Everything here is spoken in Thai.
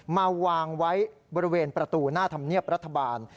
มาวางไว้บริเวณประตูหน้าธรรมเนียบรัฐบาล